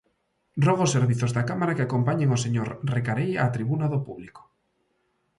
Rogo aos servizos da Cámara que acompañen o señor Recarei á tribuna do público.